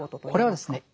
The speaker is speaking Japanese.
これはですね